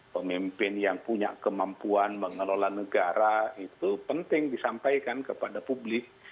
pemimpin yang punya kemampuan mengelola negara itu penting disampaikan kepada publik